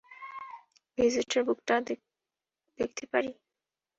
Visitor বুকটা দেখতে পারি?